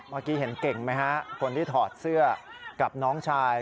เมื่อกี้เห็นเก่งไหมฮะคนที่ถอดเสื้อกับน้องชาย